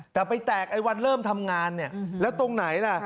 แต่ไปแตกไอ้วันเริ่มทำงานเนี่ยแล้วตรงไหนล่ะ